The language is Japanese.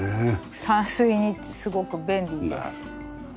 散水にすごく便利です。